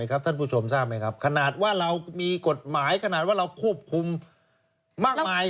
ท่านผู้ชมทราบไหมครับขนาดว่าเรามีกฎหมายขนาดว่าเราควบคุมมากมาย